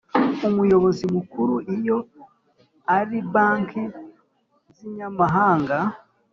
Umuyobozi Mukuru iyo ari banki z inyamahanga